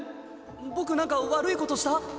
僕なんか悪いことした？